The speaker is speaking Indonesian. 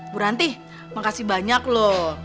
bu ranti makasih banyak loh